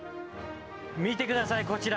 見てください、こちら。